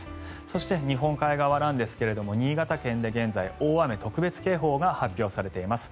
そして、日本海側なんですが新潟県で現在、大雨特別警報が発表されています。